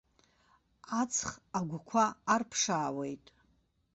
Аҵх агәқәа арԥшаауеит.